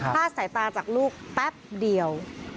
ลาดสายตาจากลูกแป๊บเดียว